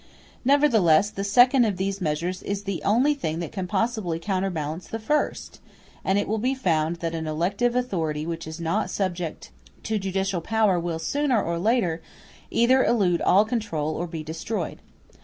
Nevertheless, the second of these measures is the only thing that can possibly counterbalance the first; and it will be found that an elective authority which is not subject to judicial power will, sooner or later, either elude all control or be destroyed.